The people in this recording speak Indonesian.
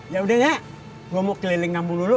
yaudah ya gua mau keliling ngambung dulu